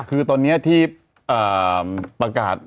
คือตอนนี้ที่ประกาศ